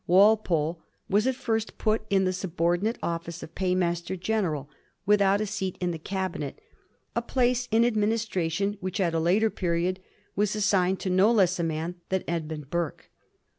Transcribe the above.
Walpole was at first put in the subordinate ofiice of Paymaster General, without a seat in the Cabinet ; a place in administration which at a later period was assigned to no less a man than Edmund Burke.